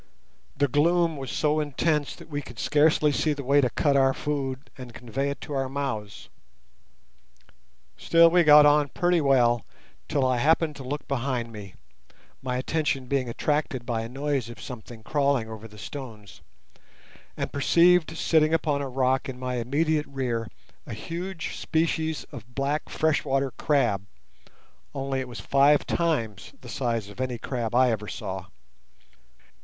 The gloom was so intense that we could scarcely see the way to cut our food and convey it to our mouths. Still we got on pretty well, till I happened to look behind me—my attention being attracted by a noise of something crawling over the stones, and perceived sitting upon a rock in my immediate rear a huge species of black freshwater crab, only it was five times the size of any crab I ever saw.